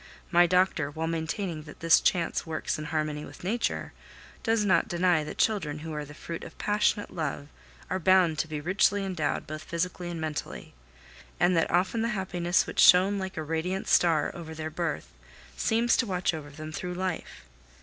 My doctor, while maintaining that this chance works in harmony with nature, does not deny that children who are the fruit of passionate love are bound to be richly endowed both physically and mentally, and that often the happiness which shone like a radiant star over their birth seems to watch over them through life.